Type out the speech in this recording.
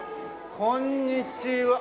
こんにちは。